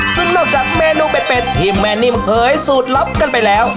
ซึ่งนอกจากเมนูเป็ดที่แม่นิ่มเผยสูตรลับกันไปแล้ว